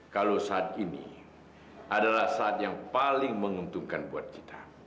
kalau saat ini adalah saat yang paling menguntungkan buat kita